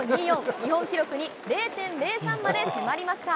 日本記録に０．０３まで迫りました。